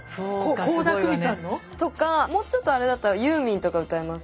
倖田來未さんの？とかもうちょっとあれだったらユーミンとか歌います。